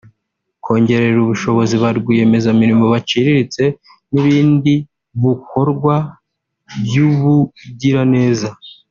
kongerera ubushobozi ba rwiyemezamirimo baciriritse n’ibindi bukorwa by’ubugiraneza